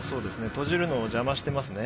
閉じるのを邪魔してますね